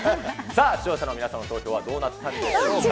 さあ、視聴者の皆さんの投票はどうなったんでしょうか。